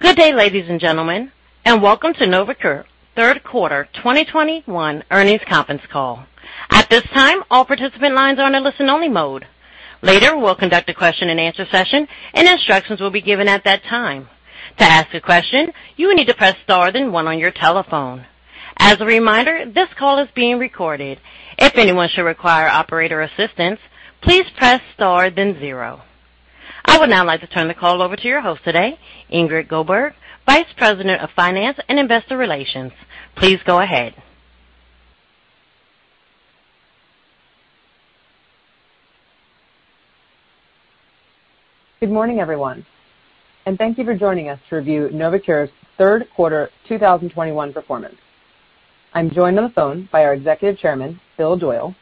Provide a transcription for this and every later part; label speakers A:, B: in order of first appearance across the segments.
A: Good day, ladies and gentlemen, and welcome to NovoCure Third Quarter 2021 earnings conference call. At this time, all participant lines are in a listen-only mode. Later, we'll conduct a question-and-answer session and instructions will be given at that time. To ask a question, you will need to press Star, then one on your telephone. As a reminder, this call is being recorded. If anyone should require operator assistance, please press Star, then zero. I would now like to turn the call over to your host today, Ingrid Goldberg, Vice President of Finance and Investor Relations. Please go ahead.
B: Good morning, everyone, and thank you for joining us to review NovoCure's third quarter 2021 performance. I'm joined on the phone by our Executive Chairman, Bill Doyle,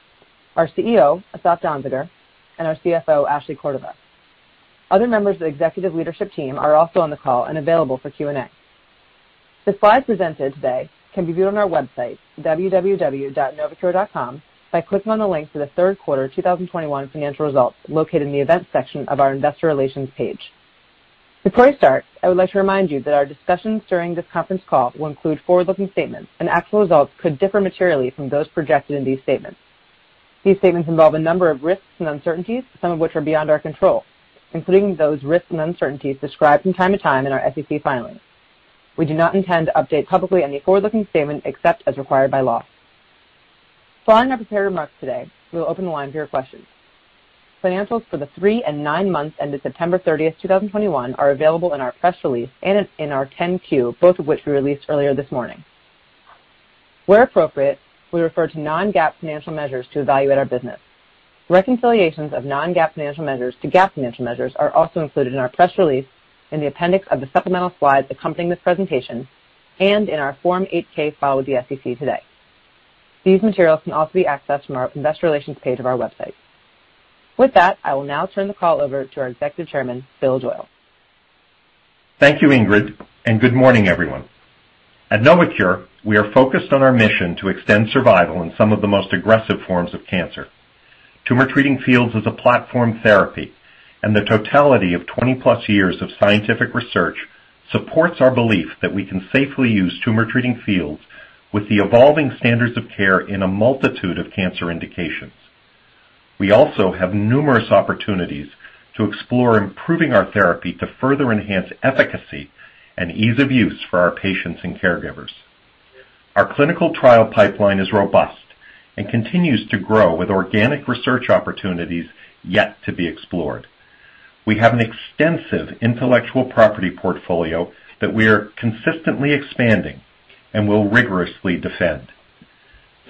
B: our CEO, Asaf Danziger, and our CFO, Ashley Cordova. Other members of the executive leadership team are also on the call and available for Q&A. The slides presented today can be viewed on our website, www.novocure.com, by clicking on the link to the third quarter 2021 financial results located in the Events section of our Investor Relations page. Before we start, I would like to remind you that our discussions during this conference call will include forward-looking statements, and actual results could differ materially from those projected in these statements. These statements involve a number of risks and uncertainties, some of which are beyond our control, including those risks and uncertainties described from time to time in our SEC filings. We do not intend to update publicly any forward-looking statement except as required by law. Following our prepared remarks today, we will open the line for your questions. Financials for the 3 and 9 months ended September 30, 2021, are available in our press release and in our 10-Q, both of which we released earlier this morning. Where appropriate, we refer to non-GAAP financial measures to evaluate our business. Reconciliations of non-GAAP financial measures to GAAP financial measures are also included in our press release, in the appendix of the supplemental slides accompanying this presentation, and in our Form 8-K filed with the SEC today. These materials can also be accessed from our Investor Relations page of our website. With that, I will now turn the call over to our Executive Chairman, Bill Doyle.
C: Thank you, Ingrid, and good morning, everyone. At NovoCure, we are focused on our mission to extend survival in some of the most aggressive forms of cancer. Tumor Treating Fields is a platform therapy, and the totality of 20-plus years of scientific research supports our belief that we can safely use Tumor Treating Fields with the evolving standards of care in a multitude of cancer indications. We also have numerous opportunities to explore improving our therapy to further enhance efficacy and ease of use for our patients and caregivers. Our clinical trial pipeline is robust and continues to grow with organic research opportunities yet to be explored. We have an extensive intellectual property portfolio that we are consistently expanding and will rigorously defend.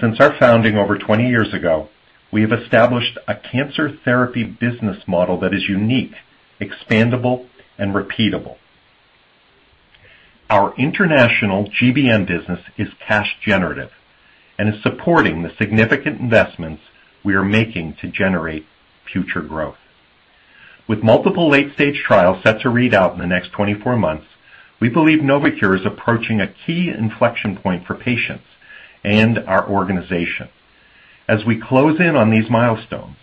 C: Since our founding over 20 years ago, we have established a cancer therapy business model that is unique, expandable, and repeatable. Our international GBM business is cash generative and is supporting the significant investments we are making to generate future growth. With multiple late-stage trials set to read out in the next 24 months, we believe NovoCure is approaching a key inflection point for patients and our organization. As we close in on these milestones,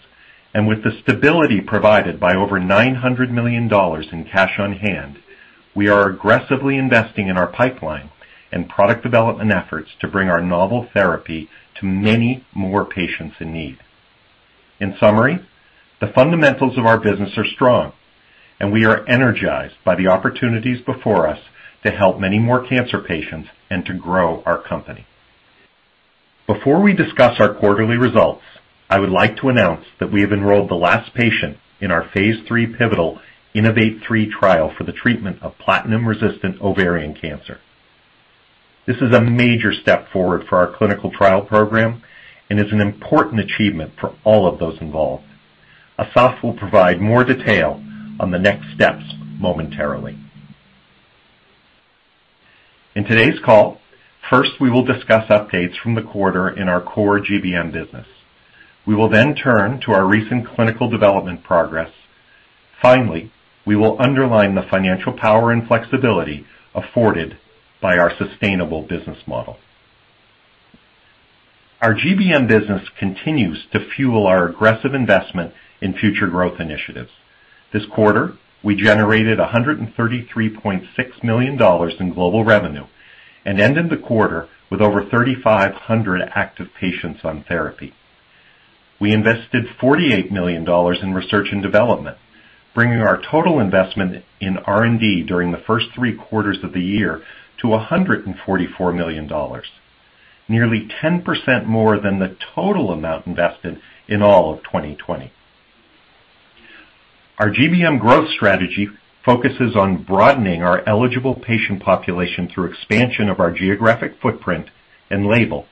C: and with the stability provided by over $900 million in cash on hand, we are aggressively investing in our pipeline and product development efforts to bring our novel therapy to many more patients in need. In summary, the fundamentals of our business are strong and we are energized by the opportunities before us to help many more cancer patients and to grow our company. Before we discuss our quarterly results, I would like to announce that we have enrolled the last patient in our phase III pivotal INNOVATE-3 trial for the treatment of platinum-resistant ovarian cancer. This is a major step forward for our clinical trial program and is an important achievement for all of those involved. Asaf will provide more detail on the next steps momentarily. In today's call, first, we will discuss updates from the quarter in our core GBM business. We will then turn to our recent clinical development progress. Finally, we will underline the financial power and flexibility afforded by our sustainable business model. Our GBM business continues to fuel our aggressive investment in future growth initiatives. This quarter, we generated $133.6 million in global revenue and ended the quarter with over 3,500 active patients on therapy. We invested $48 million in research and development, bringing our total investment in R&D during the first three quarters of the year to $144 million, nearly 10% more than the total amount invested in all of 2020. Our GBM growth strategy focuses on broadening our eligible patient population through expansion of our geographic footprint and label,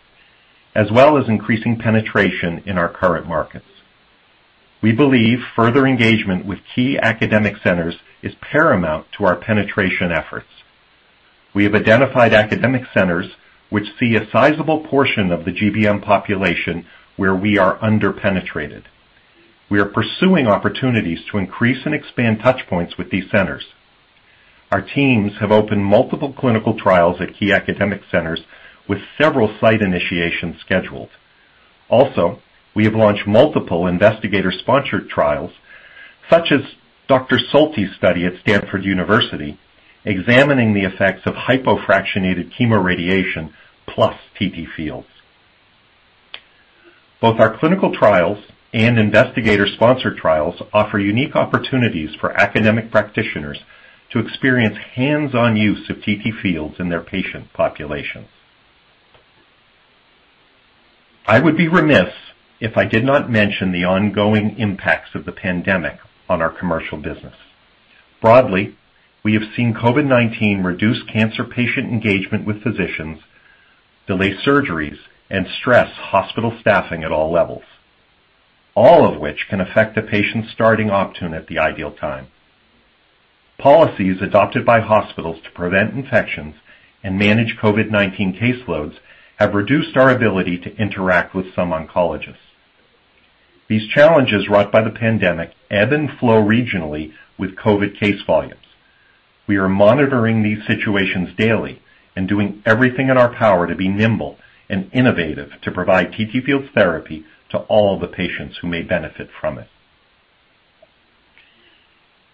C: as well as increasing penetration in our current markets. We believe further engagement with key academic centers is paramount to our penetration efforts. We have identified academic centers which see a sizable portion of the GBM population where we are under-penetrated. We are pursuing opportunities to increase and expand touch points with these centers. Our teams have opened multiple clinical trials at key academic centers with several site initiations scheduled. We have launched multiple investigator-sponsored trials, such as Dr. Soltys's study at Stanford University, examining the effects of hypofractionated chemoradiation plus TTFields. Both our clinical trials and investigator-sponsored trials offer unique opportunities for academic practitioners to experience hands-on use of TTFields in their patient populations. I would be remiss if I did not mention the ongoing impacts of the pandemic on our commercial business. Broadly, we have seen COVID-19 reduce cancer patient engagement with physicians, delay surgeries, and stress hospital staffing at all levels, all of which can affect a patient starting Optune at the ideal time. Policies adopted by hospitals to prevent infections and manage COVID-19 caseloads have reduced our ability to interact with some oncologists. These challenges wrought by the pandemic ebb and flow regionally with COVID case volumes. We are monitoring these situations daily and doing everything in our power to be nimble and innovative to provide TTFields therapy to all the patients who may benefit from it.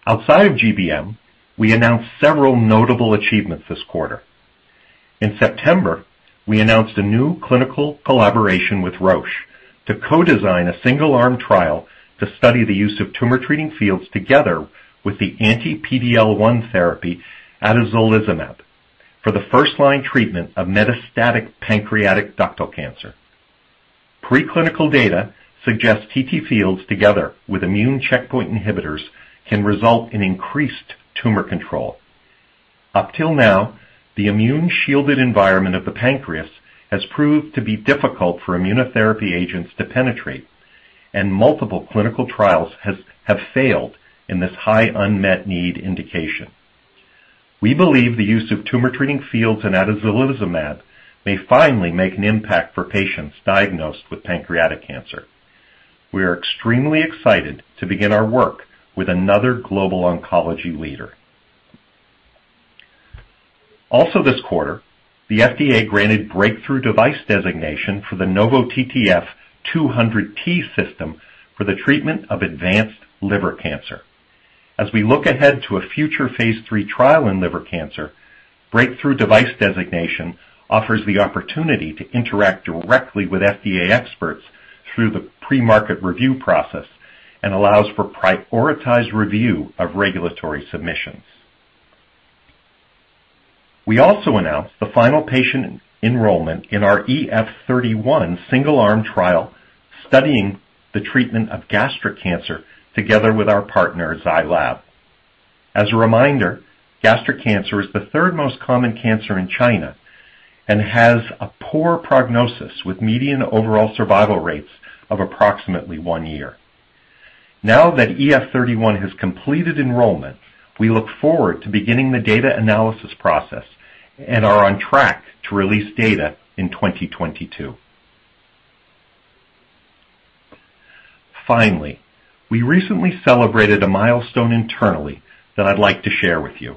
C: Outside of GBM, we announced several notable achievements this quarter. In September, we announced a new clinical collaboration with Roche to co-design a single-arm trial to study the use of Tumor Treating Fields together with the anti-PD-L1 therapy Atezolizumab for the first-line treatment of metastatic pancreatic ductal cancer. Preclinical data suggests TTFields together with immune checkpoint inhibitors can result in increased tumor control. Up till now, the immune shielded environment of the pancreas has proved to be difficult for immunotherapy agents to penetrate, and multiple clinical trials have failed in this high unmet need indication. We believe the use of Tumor Treating Fields and Atezolizumab may finally make an impact for patients diagnosed with pancreatic cancer. We are extremely excited to begin our work with another global oncology leader. Also this quarter, the FDA granted breakthrough device designation for the NovoTTF-200T System for the treatment of advanced liver cancer. As we look ahead to a future phase III trial in liver cancer, breakthrough device designation offers the opportunity to interact directly with FDA experts through the pre-market review process and allows for prioritized review of regulatory submissions. We also announced the final patient enrollment in our EF-31 single-arm trial studying the treatment of gastric cancer together with our partner, Zai Lab. As a reminder, gastric cancer is the third most common cancer in China and has a poor prognosis, with median overall survival rates of approximately 1 year. Now that EF-31 has completed enrollment, we look forward to beginning the data analysis process and are on track to release data in 2022. Finally, we recently celebrated a milestone internally that I'd like to share with you.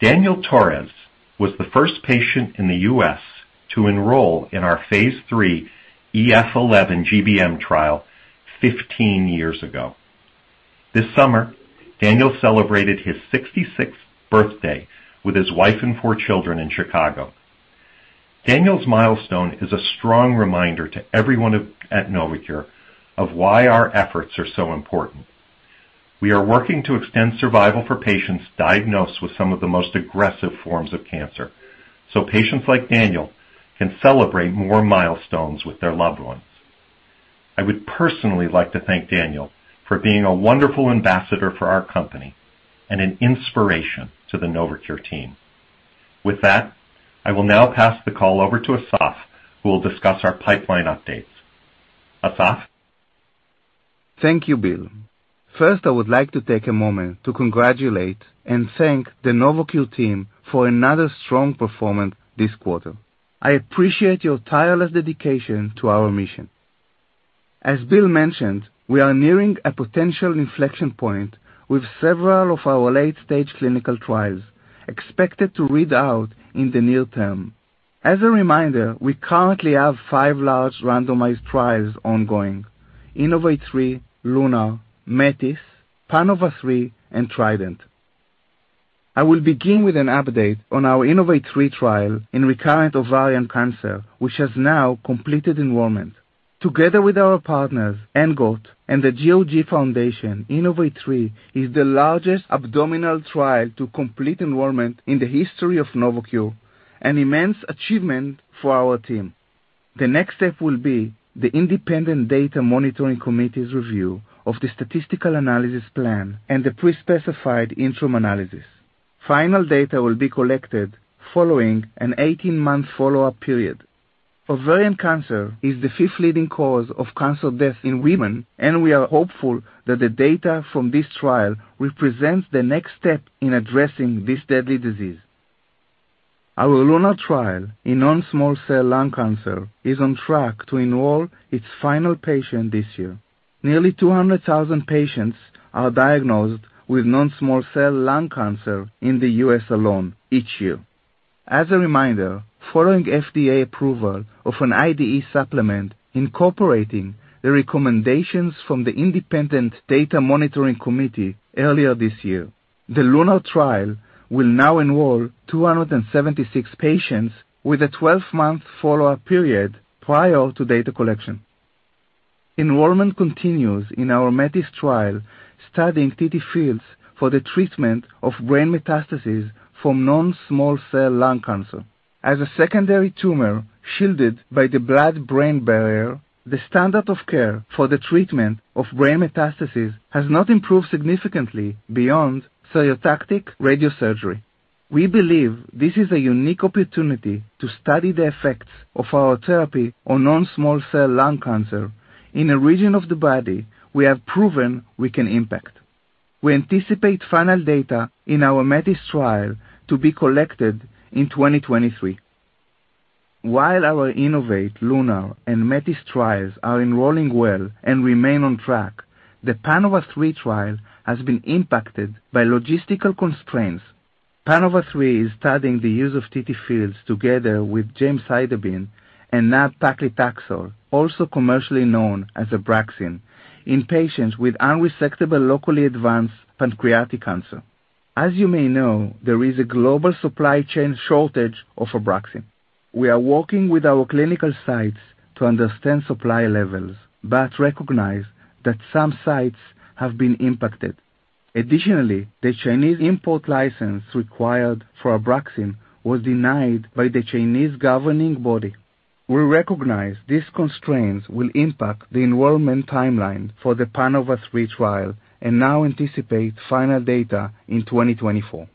C: Daniel Torres was the first patient in the U.S. to enroll in our phase III EF-11 GBM trial 15 years ago. This summer, Daniel celebrated his 66th birthday with his wife and four children in Chicago. Daniel's milestone is a strong reminder to everyone at NovoCure of why our efforts are so important. We are working to extend survival for patients diagnosed with some of the most aggressive forms of cancer, so patients like Daniel can celebrate more milestones with their loved ones. I would personally like to thank Daniel for being a wonderful ambassador for our company and an inspiration to the NovoCure team. With that, I will now pass the call over to Asaf, who will discuss our pipeline updates. Asaf?
D: Thank you, Bill. First, I would like to take a moment to congratulate and thank the NovoCure team for another strong performance this quarter. I appreciate your tireless dedication to our mission. As Bill mentioned, we are nearing a potential inflection point with several of our late-stage clinical trials expected to read out in the near term. As a reminder, we currently have five large randomized trials ongoing: INNOVATE-3, LUNAR, METIS, PANOVA-3, and TRIDENT. I will begin with an update on our INNOVATE-3 trial in recurrent ovarian cancer, which has now completed enrollment. Together with our partners, ENGOT and the GOG Foundation, INNOVATE-3 is the largest ovarian trial to complete enrollment in the history of NovoCure, an immense achievement for our team. The next step will be the independent data monitoring committee's review of the statistical analysis plan and the pre-specified interim analysis. Final data will be collected following an 18-month follow-up period. Ovarian cancer is the 5th leading cause of cancer death in women, and we are hopeful that the data from this trial represents the next step in addressing this deadly disease. Our LUNAR trial in non-small cell lung cancer is on track to enroll its final patient this year. Nearly 200,000 patients are diagnosed with non-small cell lung cancer in the U.S. alone each year. As a reminder, following FDA approval of an IDE supplement incorporating the recommendations from the independent data monitoring committee earlier this year, the LUNAR trial will now enroll 276 patients with a 12-month follow-up period prior to data collection. Enrollment continues in our METIS trial studying TTFields for the treatment of brain metastases from non-small cell lung cancer. As a secondary tumor shielded by the blood-brain barrier, the standard of care for the treatment of brain metastases has not improved significantly beyond stereotactic radiosurgery. We believe this is a unique opportunity to study the effects of our therapy on non-small cell lung cancer in a region of the body we have proven we can impact. We anticipate final data in our METIS trial to be collected in 2023. While our INNOVATE, LUNAR, and METIS trials are enrolling well and remain on track, the PANOVA-3 trial has been impacted by logistical constraints. PANOVA-3 is studying the use of TTFields together with gemcitabine and nab-paclitaxel, also commercially known as Abraxane, in patients with unresectable locally advanced pancreatic cancer. As you may know, there is a global supply chain shortage of Abraxane. We are working with our clinical sites to understand supply levels, but recognize that some sites have been impacted. Additionally, the Chinese import license required for Abraxane was denied by the Chinese governing body. We recognize these constraints will impact the enrollment timeline for the PANOVA-3 trial and now anticipate final data in 2024.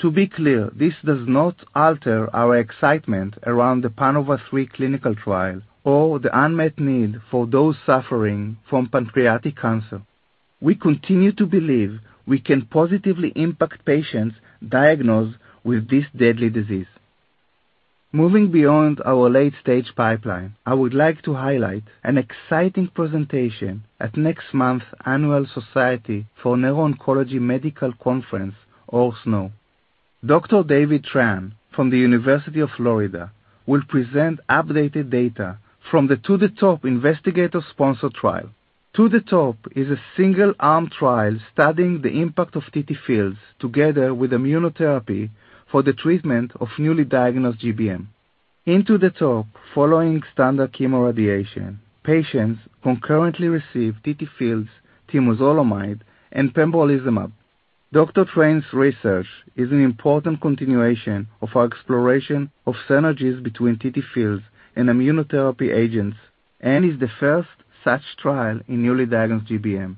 D: To be clear, this does not alter our excitement around the PANOVA-3 clinical trial or the unmet need for those suffering from pancreatic cancer. We continue to believe we can positively impact patients diagnosed with this deadly disease. Moving beyond our late-stage pipeline, I would like to highlight an exciting presentation at next month's Society for Neuro-Oncology Annual Meeting, or SNO. Dr. David Tran from the University of Florida will present updated data from the To-The-Top investigator-sponsored trial. To-The-Top is a single-arm trial studying the impact of TTFields together with immunotherapy for the treatment of newly diagnosed GBM. In To-The-Top, following standard chemoradiation, patients concurrently receive TTFields, temozolomide, and pembrolizumab. Dr. Tran's research is an important continuation of our exploration of synergies between TTFields and immunotherapy agents and is the first such trial in newly diagnosed GBM.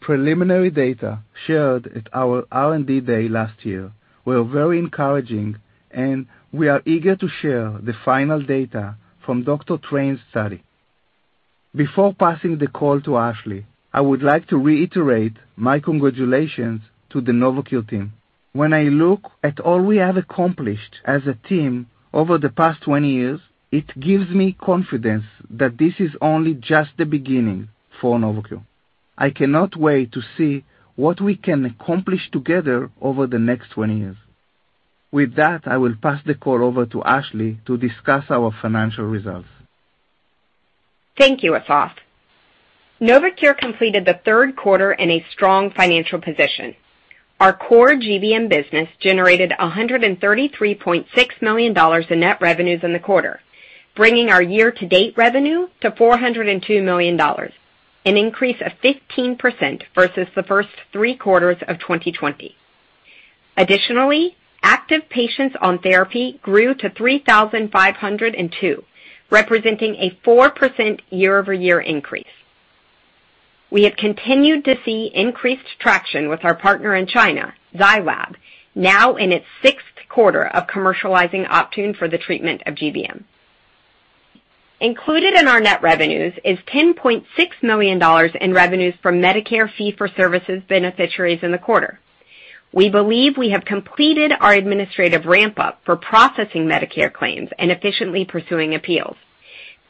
D: Preliminary data shared at our R&D day last year were very encouraging, and we are eager to share the final data from Dr. Tran's study. Before passing the call to Ashley, I would like to reiterate my congratulations to the NovoCure team. When I look at all we have accomplished as a team over the past 20 years, it gives me confidence that this is only just the beginning for NovoCure. I cannot wait to see what we can accomplish together over the next 20 years. With that, I will pass the call over to Ashley to discuss our financial results.
E: Thank you, Asaf. NovoCure completed the third quarter in a strong financial position. Our core GBM business generated $133.6 million in net revenues in the quarter, bringing our year-to-date revenue to $402 million, an increase of 15% versus the first three quarters of 2020. Additionally, active patients on therapy grew to 3,502, representing a 4% year-over-year increase. We have continued to see increased traction with our partner in China, Zai Lab, now in its sixth quarter of commercializing Optune for the treatment of GBM. Included in our net revenues is $10.6 million in revenues from Medicare fee-for-services beneficiaries in the quarter. We believe we have completed our administrative ramp-up for processing Medicare claims and efficiently pursuing appeals.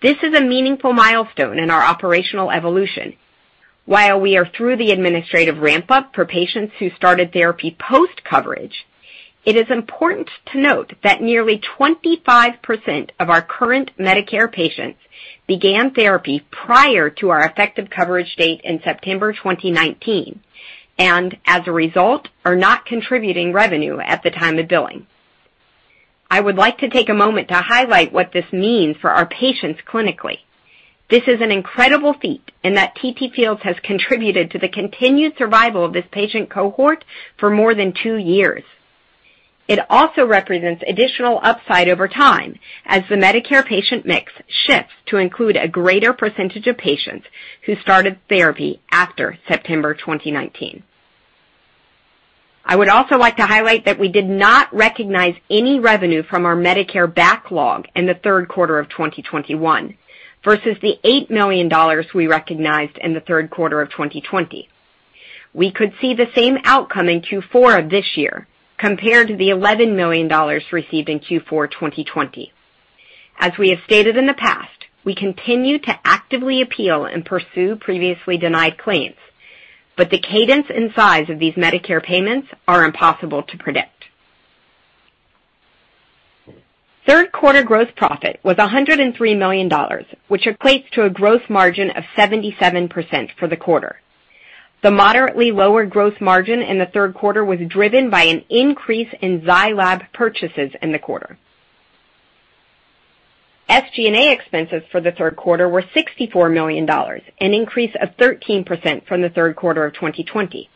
E: This is a meaningful milestone in our operational evolution. While we are through the administrative ramp-up for patients who started therapy post-coverage, it is important to note that nearly 25% of our current Medicare patients began therapy prior to our effective coverage date in September 2019 and, as a result, are not contributing revenue at the time of billing. I would like to take a moment to highlight what this means for our patients clinically. This is an incredible feat in that TTFields has contributed to the continued survival of this patient cohort for more than two years. It also represents additional upside over time as the Medicare patient mix shifts to include a greater percentage of patients who started therapy after September 2019. I would also like to highlight that we did not recognize any revenue from our Medicare backlog in the third quarter of 2021 versus the $8 million we recognized in the third quarter of 2020. We could see the same outcome in Q4 of this year compared to the $11 million received in Q4 2020. As we have stated in the past, we continue to actively appeal and pursue previously denied claims, but the cadence and size of these Medicare payments are impossible to predict. Third quarter gross profit was $103 million, which equates to a gross margin of 77% for the quarter. The moderately lower gross margin in the third quarter was driven by an increase in Zai Lab purchases in the quarter. SG&A expenses for the third quarter were $64 million, an increase of 13% from the third quarter of 2020.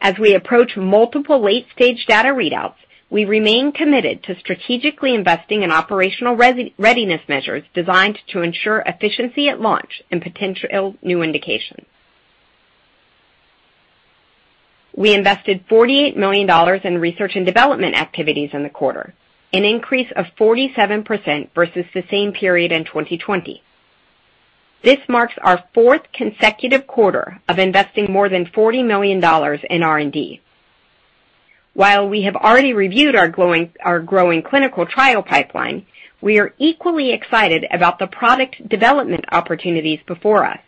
E: As we approach multiple late-stage data readouts, we remain committed to strategically investing in operational readiness measures designed to ensure efficiency at launch and potential new indications. We invested $48 million in research and development activities in the quarter, an increase of 47% versus the same period in 2020. This marks our fourth consecutive quarter of investing more than $40 million in R&D. While we have already reviewed our growing clinical trial pipeline, we are equally excited about the product development opportunities before us.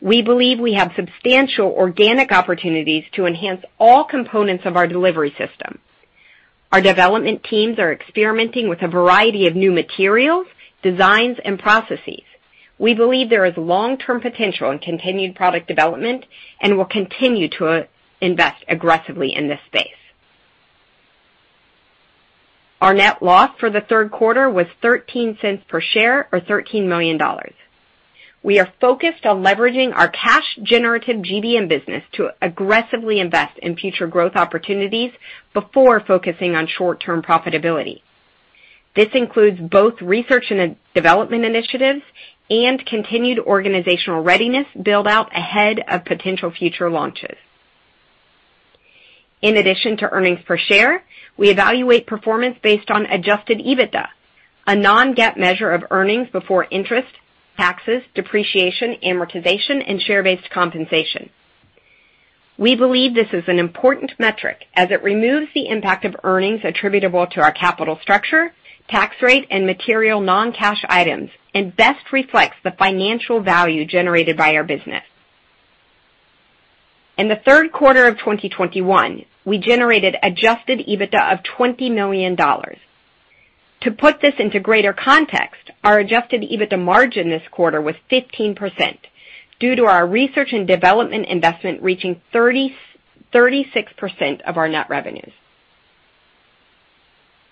E: We believe we have substantial organic opportunities to enhance all components of our delivery system. Our development teams are experimenting with a variety of new materials, designs, and processes. We believe there is long-term potential in continued product development and will continue to invest aggressively in this space. Our net loss for the third quarter was 13 cents per share or $13 million. We are focused on leveraging our cash-generative GBM business to aggressively invest in future growth opportunities before focusing on short-term profitability. This includes both research and development initiatives and continued organizational readiness build-out ahead of potential future launches. In addition to earnings per share, we evaluate performance based on adjusted EBITDA, a non-GAAP measure of earnings before interest, taxes, depreciation, amortization, and share-based compensation. We believe this is an important metric as it removes the impact of earnings attributable to our capital structure, tax rate, and material non-cash items and best reflects the financial value generated by our business. In the third quarter of 2021, we generated adjusted EBITDA of $20 million. To put this into greater context, our adjusted EBITDA margin this quarter was 15% due to our research and development investment reaching thirty-six percent of our net revenues.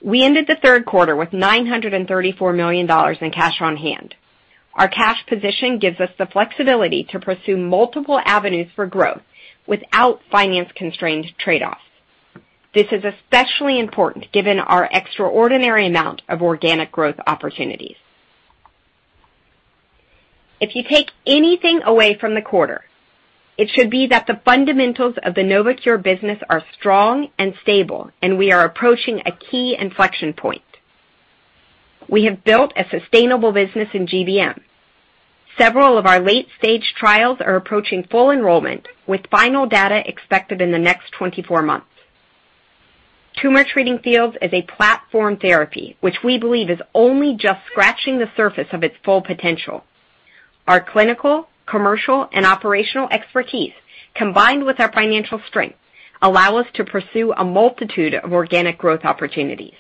E: We ended the third quarter with $934 million in cash on hand. Our cash position gives us the flexibility to pursue multiple avenues for growth without finance-constrained trade-offs. This is especially important given our extraordinary amount of organic growth opportunities. If you take anything away from the quarter, it should be that the fundamentals of the NovoCure business are strong and stable, and we are approaching a key inflection point. We have built a sustainable business in GBM. Several of our late-stage trials are approaching full enrollment, with final data expected in the next 24 months. Tumor Treating Fields is a platform therapy, which we believe is only just scratching the surface of its full potential. Our clinical, commercial, and operational expertise, combined with our financial strength, allow us to pursue a multitude of organic growth opportunities.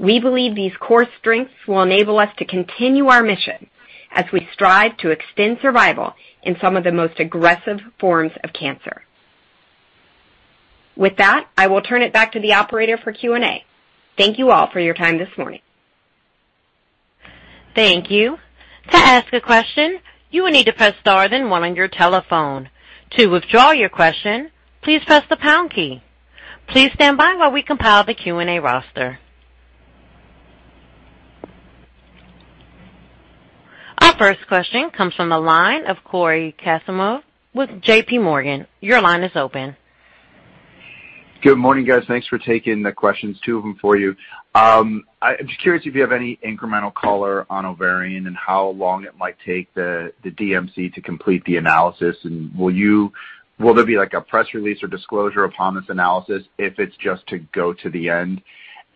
E: We believe these core strengths will enable us to continue our mission as we strive to extend survival in some of the most aggressive forms of cancer. With that, I will turn it back to the operator for Q&A. Thank you all for your time this morning.
A: Our first question comes from the line of Cory Kasimov with J.P. Morgan. Your line is open.
F: Good morning, guys. Thanks for taking the questions, two of them for you. I'm just curious if you have any incremental color on ovarian and how long it might take the DMC to complete the analysis. Will there be, like, a press release or disclosure upon this analysis if it's just to go to the end?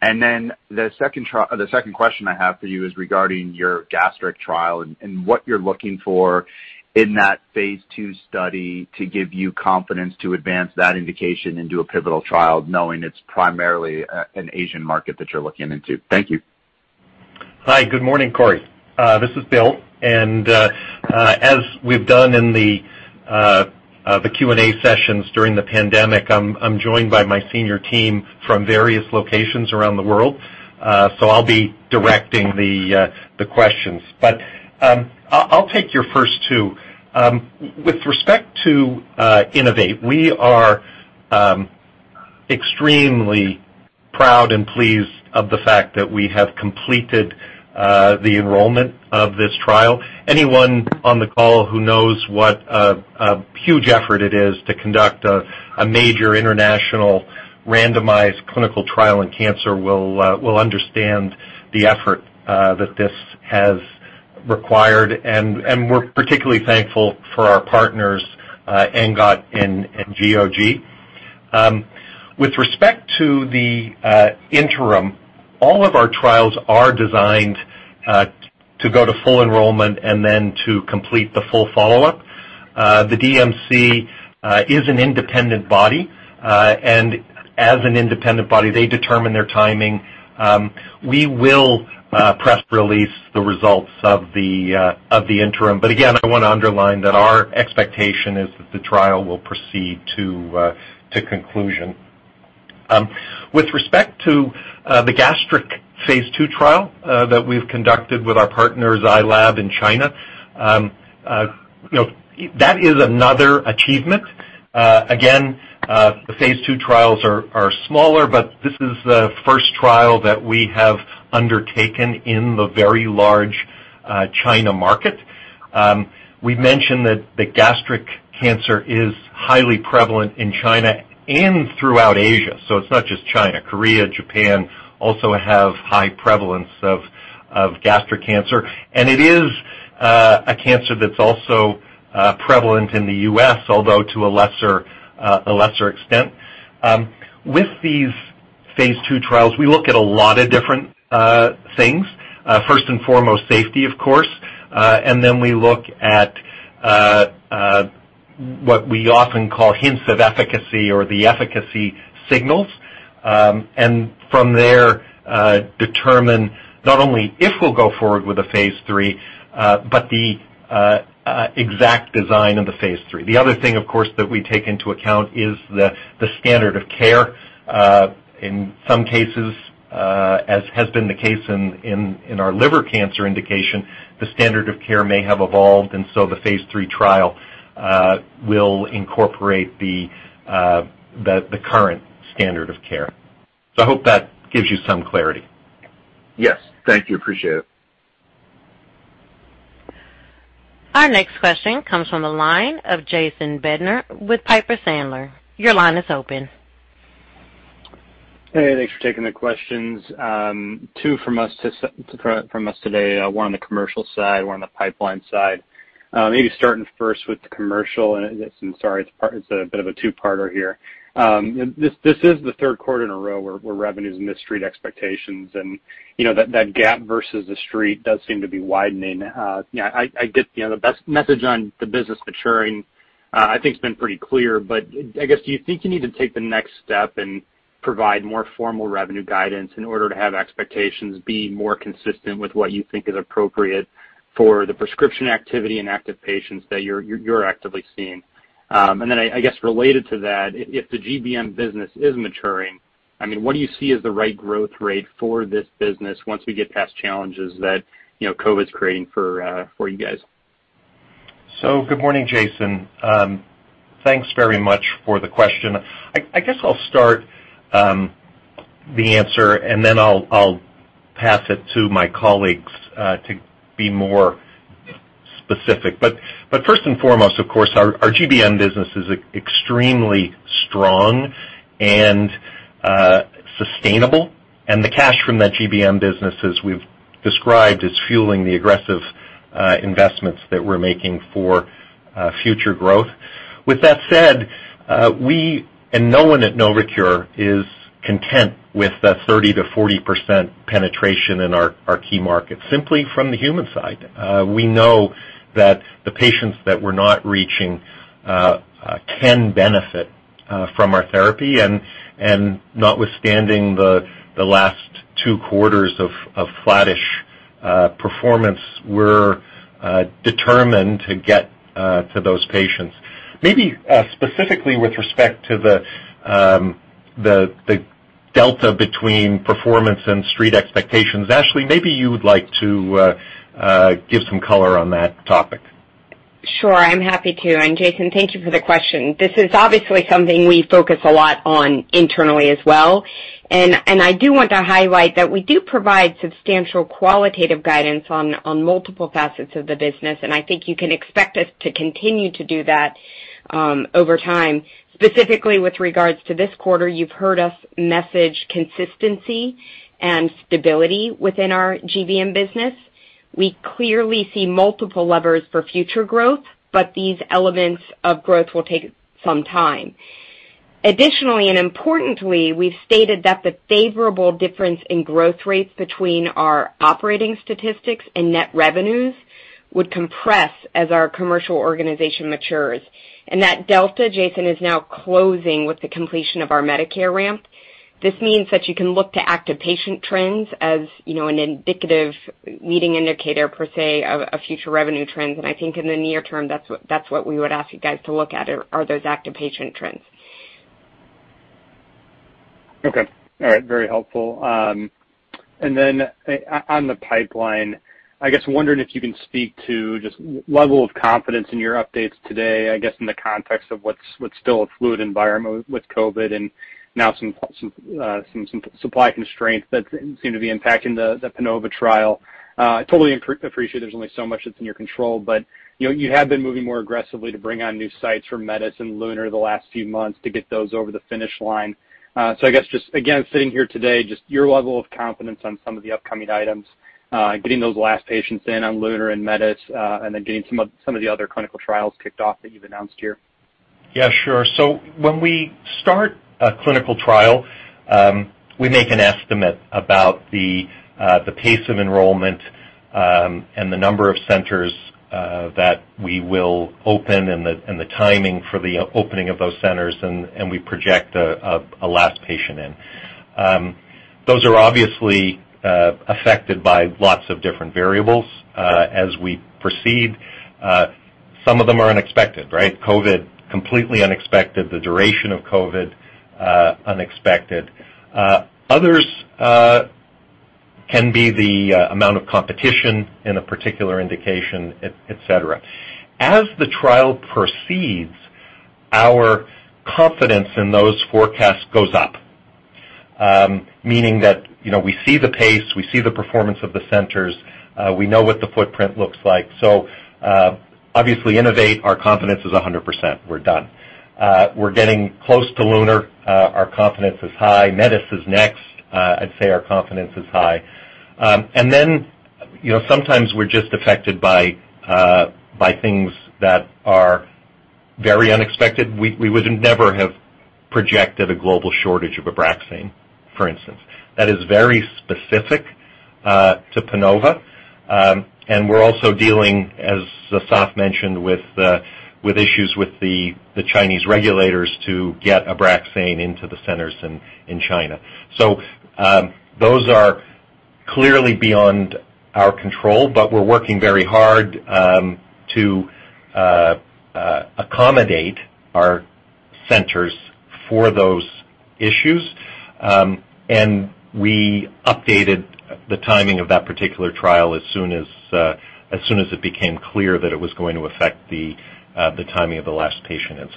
F: The second question I have for you is regarding your gastric trial and what you're looking for in that phase II study to give you confidence to advance that indication into a pivotal trial, knowing it's primarily an Asian market that you're looking into. Thank you.
C: Hi, good morning, Cory. This is Bill, and as we've done in the Q&A sessions during the pandemic, I'm joined by my senior team from various locations around the world. So I'll be directing the questions. I'll take your first two. With respect to INNOVATE, we are extremely proud and pleased of the fact that we have completed the enrollment of this trial. Anyone on the call who knows what a huge effort it is to conduct a major international randomized clinical trial in cancer will understand the effort that this has required. We're particularly thankful for our partners, ENGOT and GOG. With respect to the interim, all of our trials are designed to go to full enrollment and then to complete the full follow-up. The DMC is an independent body. And as an independent body, they determine their timing. We will press release the results of the interim. But again, I wanna underline that our expectation is that the trial will proceed to conclusion. With respect to the gastric phase II trial that we've conducted with our partner Zai Lab in China, you know, that is another achievement. Again, the phase II trials are smaller, but this is the first trial that we have undertaken in the very large China market. We mentioned that the gastric cancer is highly prevalent in China and throughout Asia, so it's not just China. Korea, Japan also have high prevalence of gastric cancer. It is a cancer that's also prevalent in the U.S., although to a lesser extent. With these phase II trials, we look at a lot of different things, first and foremost, safety of course, and then we look at what we often call hints of efficacy or the efficacy signals, and from there, determine not only if we'll go forward with the phase III, but the exact design of the phase III. The other thing, of course, that we take into account is the standard of care. In some cases, as has been the case in our liver cancer indication, the standard of care may have evolved, and so the phase III trial will incorporate the current standard of care. I hope that gives you some clarity.
F: Yes. Thank you. Appreciate it.
A: Our next question comes from the line of Jason Bednar with Piper Sandler. Your line is open.
G: Hey, thanks for taking the questions. Two from us today, one on the commercial side, one on the pipeline side. Maybe starting first with the commercial, and I'm sorry, it's a bit of a two-parter here. This is the third quarter in a row where revenues missed Street expectations, and, you know, that gap versus the Street does seem to be widening. Yeah, I get, you know, the best message on the business maturing, I think has been pretty clear. I guess, do you think you need to take the next step and provide more formal revenue guidance in order to have expectations be more consistent with what you think is appropriate for the prescription activity in active patients that you're actively seeing? I guess related to that, if the GBM business is maturing, I mean, what do you see as the right growth rate for this business once we get past challenges that you know COVID's creating for you guys?
C: Good morning, Jason. Thanks very much for the question. I guess I'll start the answer, and then I'll pass it to my colleagues to be more specific. First and foremost, of course, our GBM business is extremely strong and sustainable, and the cash from that GBM business, as we've described, is fueling the aggressive investments that we're making for future growth. With that said, we and no one at NovoCure is content with the 30%-40% penetration in our key markets, simply from the human side. We know that the patients that we're not reaching can benefit from our therapy. Notwithstanding the last two quarters of flattish performance, we're determined to get to those patients. Maybe, specifically with respect to the delta between performance and Street expectations, Ashley, maybe you would like to give some color on that topic.
E: Sure. I'm happy to. Jason, thank you for the question. This is obviously something we focus a lot on internally as well. I do want to highlight that we do provide substantial qualitative guidance on multiple facets of the business, and I think you can expect us to continue to do that over time. Specifically with regards to this quarter, you've heard us message consistency and stability within our GBM business. We clearly see multiple levers for future growth, but these elements of growth will take some time. Additionally, and importantly, we've stated that the favorable difference in growth rates between our operating statistics and net revenues would compress as our commercial organization matures. That delta, Jason, is now closing with the completion of our Medicare ramp. This means that you can look to active patient trends as, you know, an indicative leading indicator per se of future revenue trends. I think in the near term, that's what we would ask you guys to look at, are those active patient trends.
G: Okay. All right. Very helpful. And then on the pipeline, I guess wondering if you can speak to just level of confidence in your updates today, I guess, in the context of what's still a fluid environment with COVID and now some supply constraints that seem to be impacting the PANOVA trial. I totally appreciate there's only so much that's in your control, but you know, you have been moving more aggressively to bring on new sites for METIS and LUNAR the last few months to get those over the finish line. I guess just, again, sitting here today, just your level of confidence on some of the upcoming items, getting those last patients in on LUNAR and METIS, and then getting some of the other clinical trials kicked off that you've announced here.
C: Yeah, sure. When we start a clinical trial, we make an estimate about the pace of enrollment and the number of centers that we will open and the timing for the opening of those centers, and we project a last patient in. Those are obviously affected by lots of different variables as we proceed. Some of them are unexpected, right? COVID, completely unexpected. The duration of COVID, unexpected. Others can be the amount of competition in a particular indication, etcetera. As the trial proceeds, our confidence in those forecasts goes up, meaning that, you know, we see the pace, we see the performance of the centers, we know what the footprint looks like. Obviously, Innovate, our confidence is 100%. We're done. We're getting close to LUNAR. Our confidence is high. METIS is next. I'd say our confidence is high. Then, you know, sometimes we're just affected by things that are very unexpected. We would never have projected a global shortage of Abraxane, for instance. That is very specific to PANOVA. We're also dealing, as Asaf mentioned, with issues with the Chinese regulators to get Abraxane into the centers in China. Those are clearly beyond our control, but we're working very hard to accommodate our centers for those issues. We updated the timing of that particular trial as soon as it became clear that it was going to affect the timing of the last patient.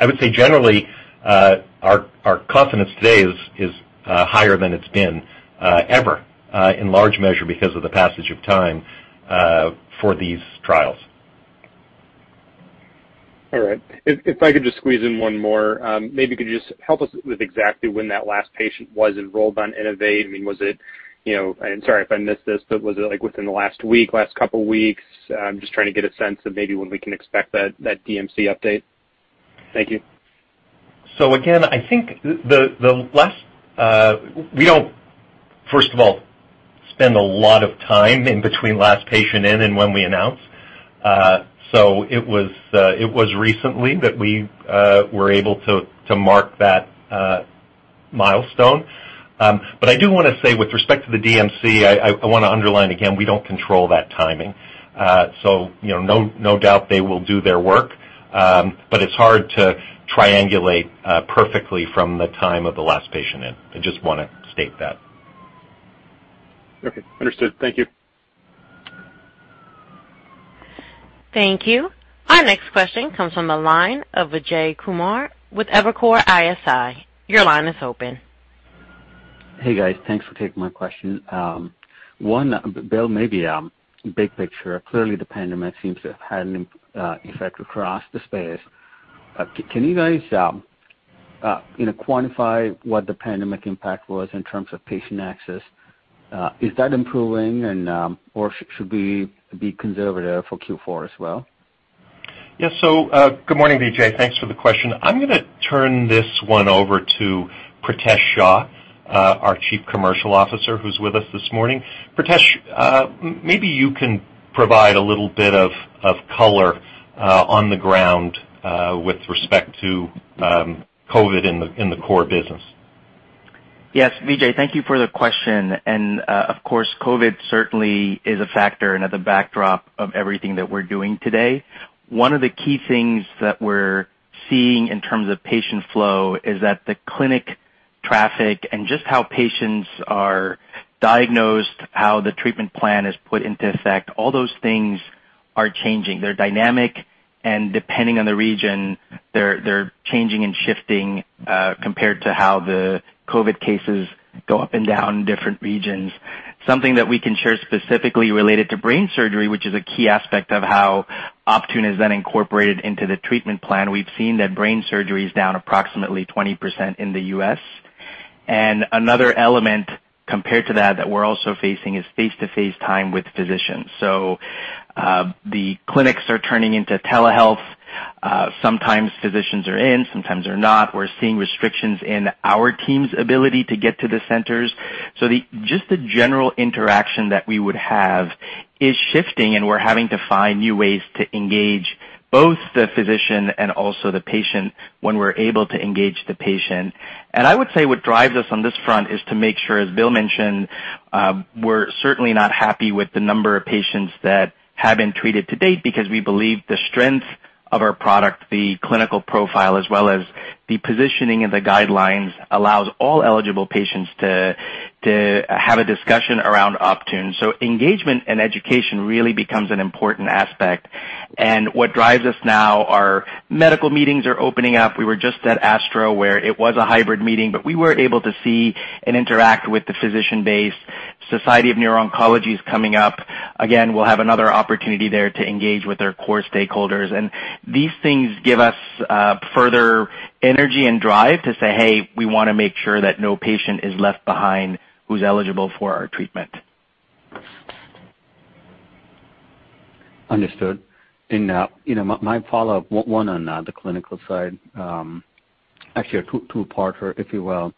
C: I would say generally, our confidence today is higher than it's been ever in large measure because of the passage of time for these trials.
G: All right. If I could just squeeze in one more. Maybe you could just help us with exactly when that last patient was enrolled on INNOVATE. I mean, was it, you know? Sorry if I missed this, but was it, like, within the last week, last couple weeks? I'm just trying to get a sense of maybe when we can expect that DMC update. Thank you.
C: Again, I think the last. We don't, first of all, spend a lot of time in between last patient in and when we announce. It was recently that we were able to mark that milestone. But I do wanna say with respect to the DMC, I wanna underline again, we don't control that timing. You know, no doubt they will do their work, but it's hard to triangulate perfectly from the time of the last patient in. I just wanna state that.
G: Okay, understood. Thank you.
A: Thank you. Our next question comes from the line of Vijay Kumar with Evercore ISI. Your line is open.
H: Hey, guys. Thanks for taking my question. One, Bill, maybe big picture. Clearly, the pandemic seems to have had an effect across the space. Can you guys, you know, quantify what the pandemic impact was in terms of patient access? Is that improving and, or should we be conservative for Q4 as well?
C: Yeah. Good morning, Vijay. Thanks for the question. I'm gonna turn this one over to Pritesh Shah, our Chief Commercial Officer, who's with us this morning. Pritesh, maybe you can provide a little bit of color on the ground with respect to COVID in the core business.
I: Yes, Vijay, thank you for the question. Of course, COVID certainly is a factor and at the backdrop of everything that we're doing today. One of the key things that we're seeing in terms of patient flow is that the clinic traffic and just how patients are diagnosed, how the treatment plan is put into effect, all those things are changing. They're dynamic, and depending on the region, they're changing and shifting compared to how the COVID cases go up and down in different regions. Something that we can share specifically related to brain surgery, which is a key aspect of how Optune is then incorporated into the treatment plan, we've seen that brain surgery is down approximately 20% in the U.S. Another element compared to that that we're also facing is face-to-face time with physicians. The clinics are turning into telehealth. Sometimes physicians are in, sometimes they're not. We're seeing restrictions in our team's ability to get to the centers. Just the general interaction that we would have is shifting, and we're having to find new ways to engage both the physician and also the patient when we're able to engage the patient. I would say what drives us on this front is to make sure, as Bill mentioned, we're certainly not happy with the number of patients that have been treated to date because we believe the strength of our product, the clinical profile, as well as the positioning and the guidelines allows all eligible patients to have a discussion around Optune. Engagement and education really becomes an important aspect. What drives us now, our medical meetings are opening up. We were just at ASTRO where it was a hybrid meeting, but we were able to see and interact with the physician base. Society for Neuro-Oncology is coming up. Again, we'll have another opportunity there to engage with our core stakeholders. These things give us further energy and drive to say, "Hey, we wanna make sure that no patient is left behind who's eligible for our treatment.
H: Understood. You know, my follow-up, one on the clinical side, actually a two-parter, if you will.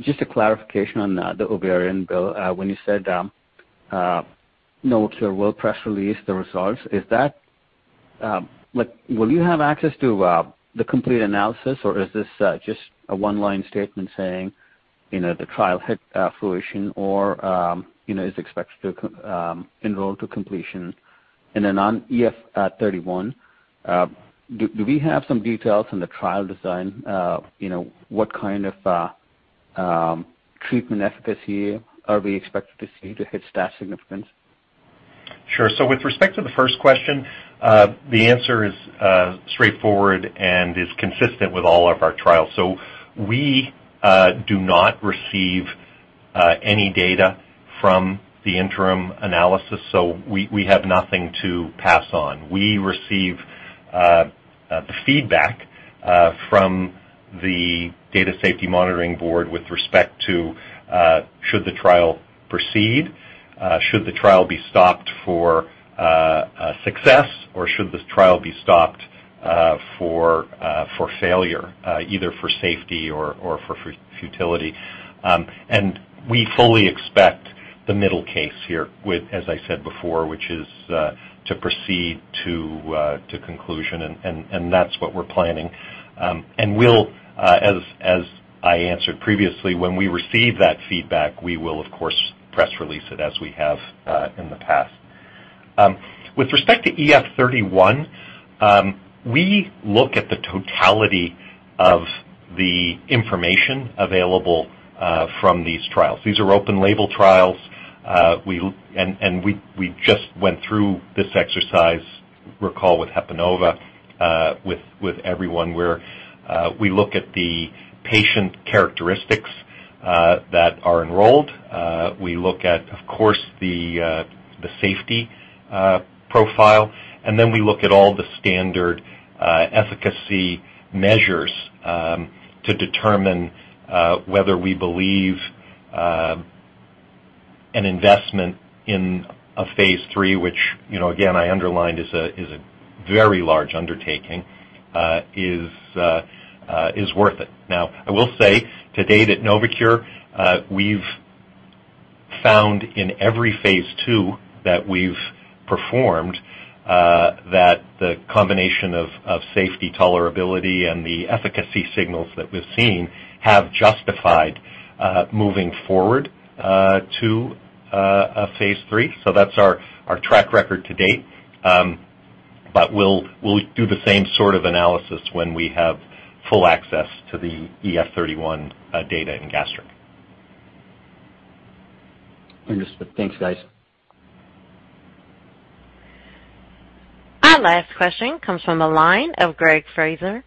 H: Just a clarification on the ovarian, Bill. When you said, Novocure will press release the results, is that like will you have access to the complete analysis? Or is this just a one-line statement saying, you know, the trial hit fruition or, you know, is expected to enroll to completion? Then on EF-31, do we have some details on the trial design? You know, what kind of treatment efficacy are we expected to see to hit stat significance?
C: Sure. With respect to the first question, the answer is straightforward and is consistent with all of our trials. We do not receive any data from the interim analysis, so we have nothing to pass on. We receive the feedback from the data safety monitoring board with respect to should the trial proceed, should the trial be stopped for success, or should this trial be stopped for failure, either for safety or for futility. We fully expect the middle case here with, as I said before, which is to proceed to conclusion, and that's what we're planning. We'll, as I answered previously, when we receive that feedback, we will of course press release it as we have in the past. With respect to EF-31, we look at the totality of the information available from these trials. These are open label trials. We just went through this exercise, recall with HEPANOVA, with everyone, where we look at the patient characteristics that are enrolled. We look at, of course, the safety profile, and then we look at all the standard efficacy measures to determine whether we believe an investment in a phase III, which, you know, again, I underlined is a very large undertaking, is worth it. Now, I will say to date at NovoCure, we've found in every phase II that we've performed, that the combination of safety, tolerability and the efficacy signals that we've seen have justified moving forward to a phase III. That's our track record to date. We'll do the same sort of analysis when we have full access to the EF-31 data in gastric.
H: Understood. Thanks, guys.
A: Our last question comes from the line of Greg Fraser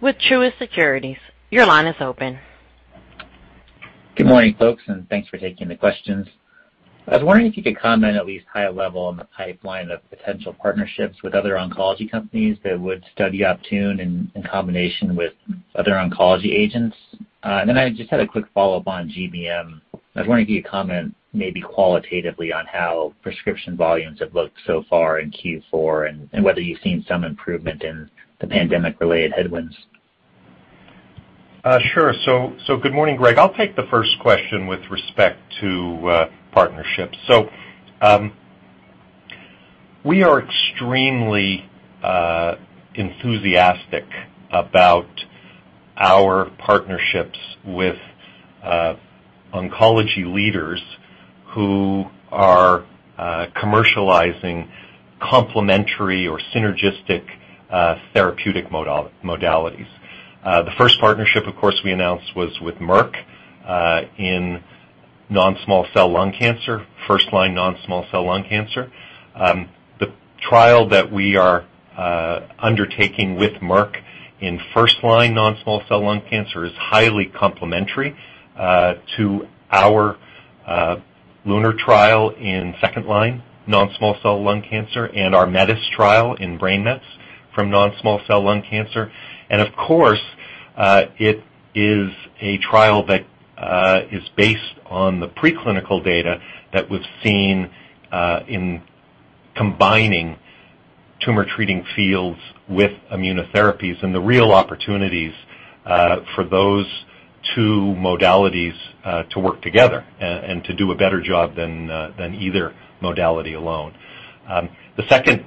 A: with Truist Securities. Your line is open.
J: Good morning, folks, and thanks for taking the questions. I was wondering if you could comment at least high-level on the pipeline of potential partnerships with other oncology companies that would study Optune in combination with other oncology agents. I just had a quick follow-up on GBM. I was wondering if you could comment maybe qualitatively on how prescription volumes have looked so far in Q4 and whether you've seen some improvement in the pandemic-related headwinds.
C: Sure. Good morning, Greg. I'll take the first question with respect to partnerships. We are extremely enthusiastic about our partnerships with oncology leaders who are commercializing complementary or synergistic therapeutic modalities. The first partnership, of course, we announced was with Merck in non-small cell lung cancer, first-line non-small cell lung cancer. The trial that we are undertaking with Merck in first line non-small cell lung cancer is highly complementary to our LUNAR trial in second line non-small cell lung cancer and our METIS trial in brain mets from non-small cell lung cancer. Of course, it is a trial that is based on the preclinical data that we've seen in combining Tumor Treating Fields with immunotherapies and the real opportunities for those two modalities to work together and to do a better job than either modality alone. The second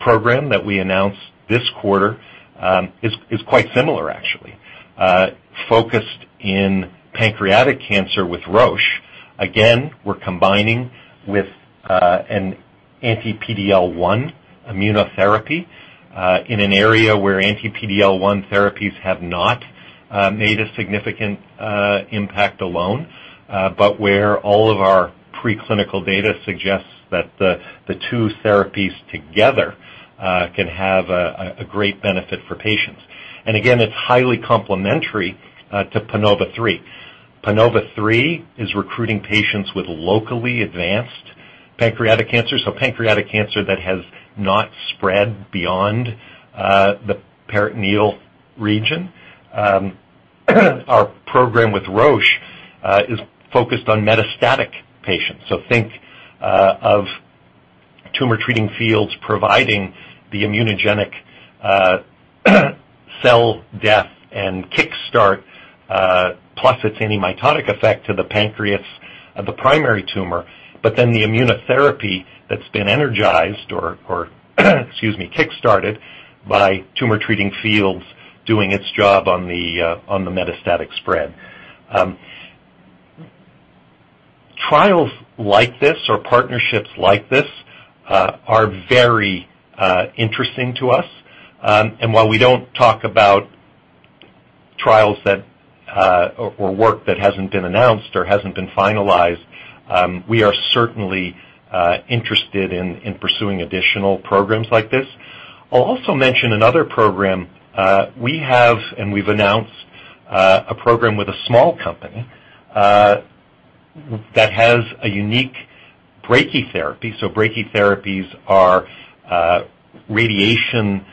C: program that we announced this quarter is quite similar actually, focused in pancreatic cancer with Roche. Again, we're combining with an anti-PD-L1 immunotherapy in an area where anti-PD-L1 therapies have not made a significant impact alone, but where all of our preclinical data suggests that the two therapies together can have a great benefit for patients. It's highly complementary to PANOVA-3. PANOVA-3 is recruiting patients with locally advanced pancreatic cancer, so pancreatic cancer that has not spread beyond the peritoneal region. Our program with Roche is focused on metastatic patients. Think of Tumor Treating Fields providing the immunogenic cell death and kickstart plus its antimitotic effect to the pancreas of the primary tumor, but then the immunotherapy that's been energized or excuse me kickstarted by tumor-treating fields doing its job on the metastatic spread. Trials like this or partnerships like this are very interesting to us. While we don't talk about trials or work that hasn't been announced or hasn't been finalized, we are certainly interested in pursuing additional programs like this. I'll also mention another program. We have, and we've announced, a program with a small company that has a unique brachytherapy. Brachytherapies are radiation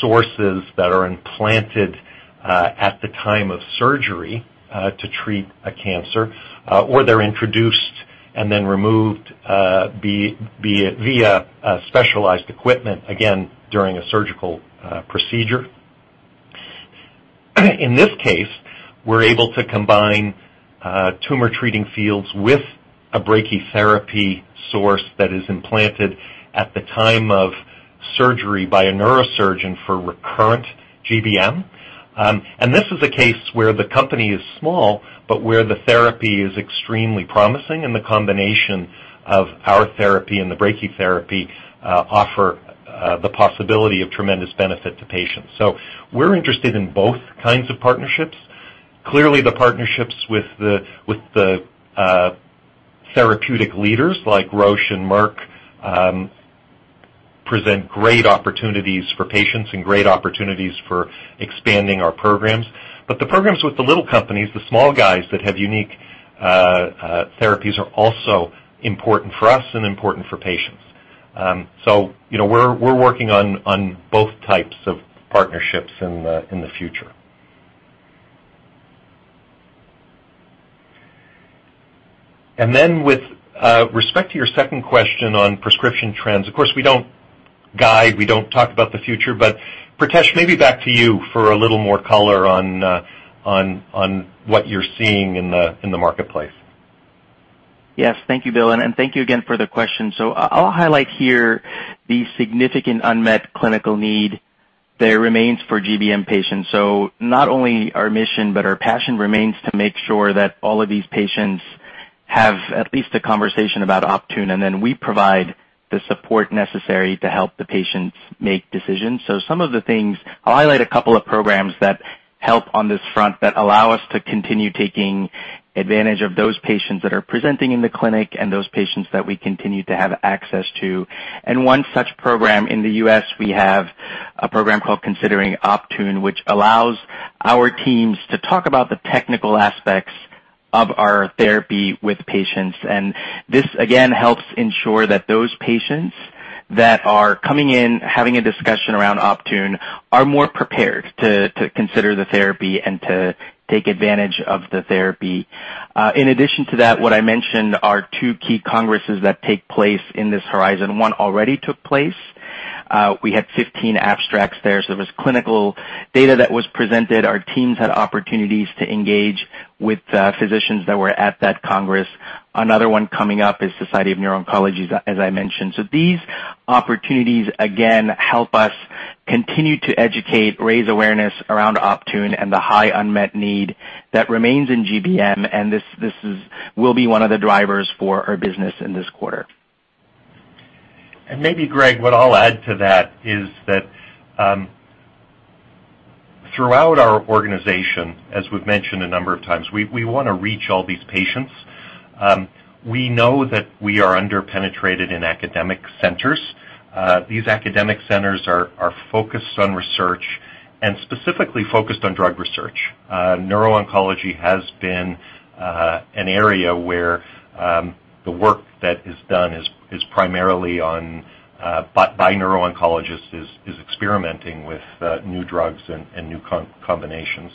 C: sources that are implanted at the time of surgery to treat a cancer, or they're introduced and then removed via specialized equipment, again, during a surgical procedure. In this case, we're able to combine Tumor-Treating Fields with a brachytherapy source that is implanted at the time of surgery by a neurosurgeon for recurrent GBM. This is a case where the company is small, but where the therapy is extremely promising, and the combination of our therapy and the brachytherapy offer the possibility of tremendous benefit to patients. We're interested in both kinds of partnerships. Clearly, the partnerships with the therapeutic leaders like Roche and Merck present great opportunities for patients and great opportunities for expanding our programs. The programs with the little companies, the small guys that have unique therapies, are also important for us and important for patients. You know, we're working on both types of partnerships in the future. With respect to your second question on prescription trends, of course, we don't guide, we don't talk about the future, but Pritesh, maybe back to you for a little more color on what you're seeing in the marketplace.
I: Yes. Thank you, Bill, and thank you again for the question. I'll highlight here the significant unmet clinical need that remains for GBM patients. Not only our mission, but our passion remains to make sure that all of these patients have at least a conversation about Optune, and then we provide the support necessary to help the patients make decisions. I'll highlight a couple of programs that help on this front that allow us to continue taking advantage of those patients that are presenting in the clinic and those patients that we continue to have access to. One such program in the U.S., we have a program called Considering Optune, which allows our teams to talk about the technical aspects of our therapy with patients. This, again, helps ensure that those patients that are coming in, having a discussion around Optune are more prepared to consider the therapy and to take advantage of the therapy. In addition to that, what I mentioned are two key congresses that take place in this horizon. One already took place. We had 15 abstracts there. It was clinical data that was presented. Our teams had opportunities to engage with physicians that were at that Congress. Another one coming up is Society for Neuro-Oncology, as I mentioned. These opportunities, again, help us continue to educate, raise awareness around Optune and the high unmet need that remains in GBM, and this will be one of the drivers for our business in this quarter.
C: Maybe, Greg, what I'll add to that is that throughout our organization, as we've mentioned a number of times, we wanna reach all these patients. We know that we are under-penetrated in academic centers. These academic centers are focused on research and specifically focused on drug research. Neuro-oncology has been an area where the work that is done is primarily by neuro-oncologists experimenting with new drugs and new combinations.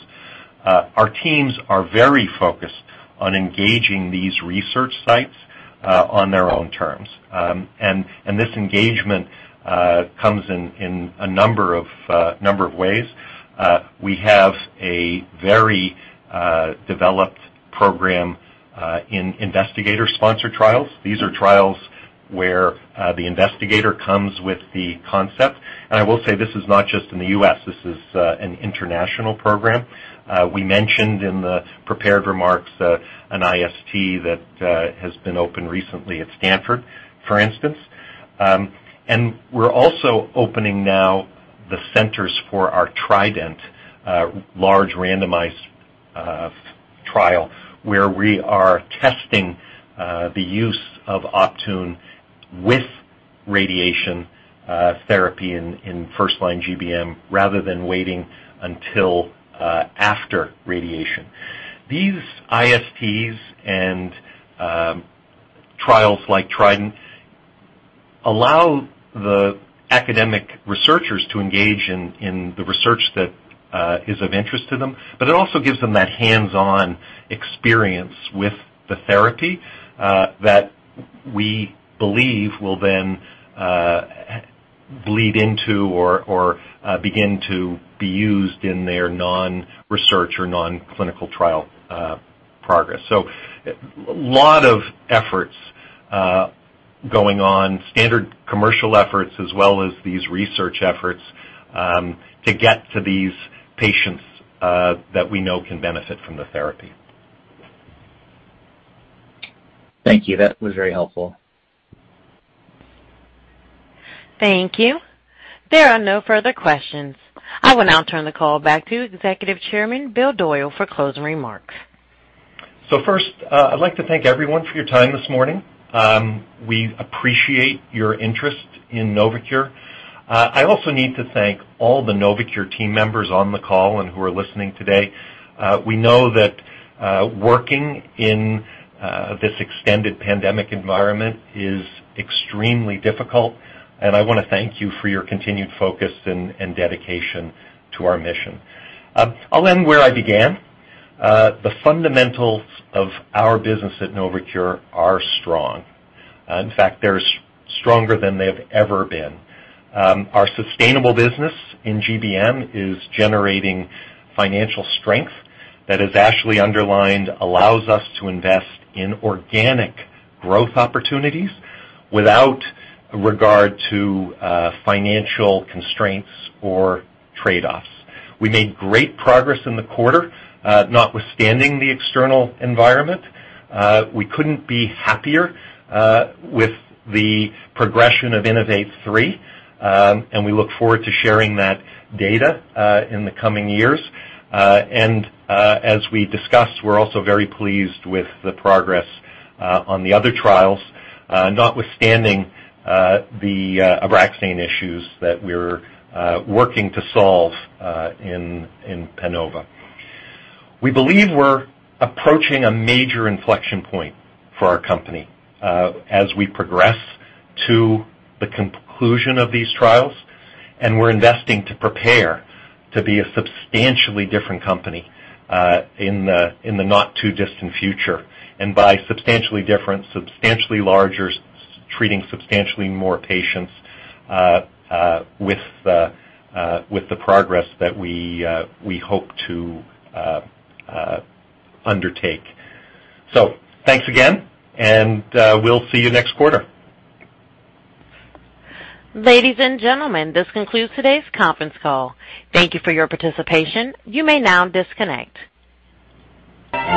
C: Our teams are very focused on engaging these research sites on their own terms. This engagement comes in a number of ways. We have a very developed program in investigator-sponsored trials. These are trials where the investigator comes with the concept. I will say this is not just in the U.S. This is an international program. We mentioned in the prepared remarks an IST that has been opened recently at Stanford, for instance. We're also opening now the centers for our Trident large randomized trial where we are testing the use of Optune with radiation therapy in first-line GBM rather than waiting until after radiation. These ISTs and trials like Trident allow the academic researchers to engage in the research that is of interest to them, but it also gives them that hands-on experience with the therapy that we believe will then bleed into or begin to be used in their non-research or non-clinical trial progress. A lot of efforts going on, standard commercial efforts as well as these research efforts, to get to these patients that we know can benefit from the therapy.
J: Thank you. That was very helpful.
A: Thank you. There are no further questions. I will now turn the call back to Executive Chairman Bill Doyle for closing remarks.
C: First, I'd like to thank everyone for your time this morning. We appreciate your interest in Novocure. I also need to thank all the Novocure team members on the call and who are listening today. We know that working in this extended pandemic environment is extremely difficult, and I wanna thank you for your continued focus and dedication to our mission. I'll end where I began. The fundamentals of our business at Novocure are strong. In fact, they're stronger than they've ever been. Our sustainable business in GBM is generating financial strength that actually underpins our ability to invest in organic growth opportunities without regard to financial constraints or trade-offs. We made great progress in the quarter, notwithstanding the external environment. We couldn't be happier with the progression of INNOVATE-3, and we look forward to sharing that data in the coming years. As we discussed, we're also very pleased with the progress on the other trials, notwithstanding the Abraxane issues that we're working to solve in PANOVA. We believe we're approaching a major inflection point for our company, as we progress to the conclusion of these trials, and we're investing to prepare to be a substantially different company in the not too distant future. By substantially different, substantially larger, treating substantially more patients with the progress that we hope to undertake. Thanks again, and we'll see you next quarter.
A: Ladies and gentlemen, this concludes today's conference call. Thank you for your participation. You may now disconnect.